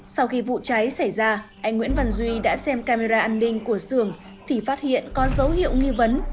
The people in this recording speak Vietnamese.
sau khi vụ cháy xảy ra anh nguyễn văn duy đã xem camera an ninh của sưởng thì phát hiện có dấu hiệu nghi vấn